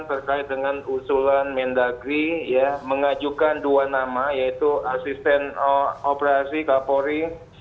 terkait dengan usulan mendagri mengajukan dua nama yaitu asisten operasi kapolri